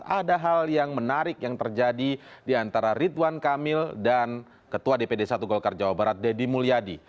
ada hal yang menarik yang terjadi di antara ridwan kamil dan ketua dpd satu golkar jawa barat deddy mulyadi